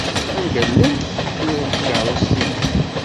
Anda llant tsura n tkeṛṛust-inu?